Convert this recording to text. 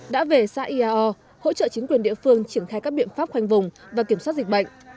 đã về xã iao hỗ trợ chính quyền địa phương triển khai các biện pháp khoanh vùng và kiểm soát dịch bệnh